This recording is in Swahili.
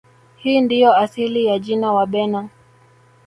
Hii ndiyo asili ya jina Wabena